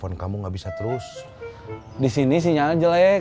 ini udah udah tiba tiba bikin gw vallahi cerita kan